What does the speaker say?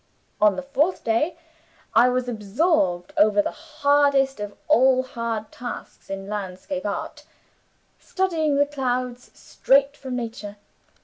On the fourth day, I was absorbed over the hardest of all hard tasks in landscape art, studying the clouds straight from Nature.